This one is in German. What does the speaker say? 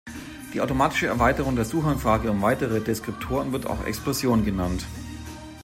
Die automatische Erweiterung der Suchanfrage um weitere Deskriptoren wird auch Explosion genannt.